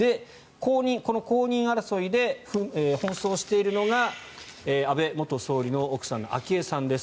この公認争いで奔走しているのが安倍元総理の奥さんの昭恵さんです。